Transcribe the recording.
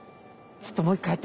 ちょっともう一回やって！